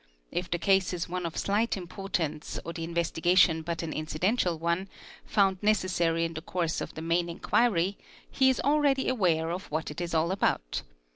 If the case is one of slight importance or the investigation but an incidental one a is found necessary in the course of the main inquiry, he is already aware of what it is all about.